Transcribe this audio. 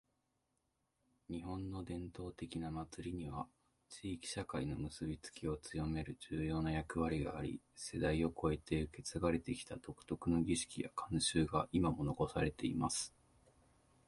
•「日本の伝統的な祭りには、地域社会の結びつきを強める重要な役割があり、世代を超えて受け継がれてきた独特の儀式や慣習が今も残されています。」